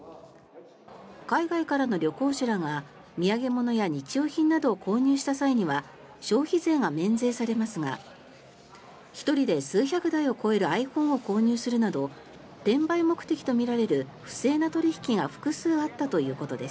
海外からの旅行者らが土産物や日用品などを購入した際には消費税が免税されますが１人で数百台を超えるｉＰｈｏｎｅを購入するなど転売目的とみられる不正な取引が複数あったということです。